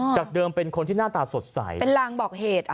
จากเดิมเป็นคนที่หน้าตาสดใสเป็นลางบอกเหตุ